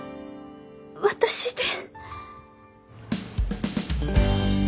私で。